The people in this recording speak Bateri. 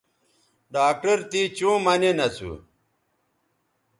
ڈاکٹر تے چوں مہ نین اسو